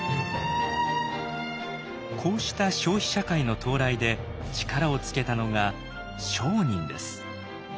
こうした消費社会の到来で力をつけたのが商人です。